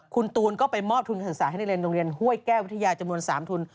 คุณตูนก็ไปมอบทุนการศึกษาให้นักเรียนโรงเรียนห้วยแก้ววิทยาจำนวน๓ทุน